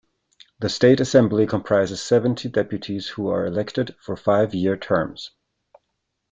The State Assembly comprises seventy deputies who are elected for five-year terms.